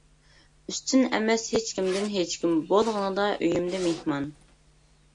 ئۈستۈن ئەمەس ھېچكىمدىن ھېچكىم بولغىنىدا ئۆيۈمدە مېھمان.